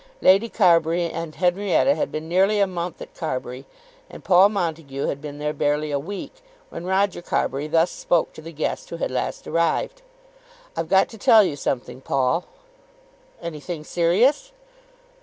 Lady Carbury and Henrietta had been nearly a month at Carbury, and Paul Montague had been there barely a week, when Roger Carbury thus spoke to the guest who had last arrived. "I've got to tell you something, Paul." "Anything serious?"